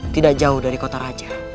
tidak jauh dari kota raja